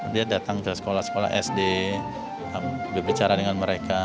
dia datang ke sekolah sekolah sd berbicara dengan mereka